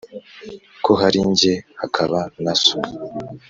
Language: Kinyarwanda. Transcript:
ko hari jye hakaba na so,